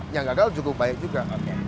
yang gagal cukup baik juga